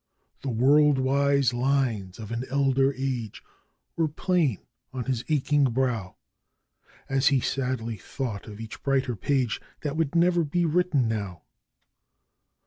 The world wise lines of an elder age were plain on his aching brow, As he sadly thought of each brighter page that would never be written now.